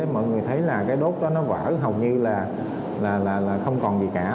mọi người thấy là cái đốt đó nó vỡ hầu như là không còn gì cả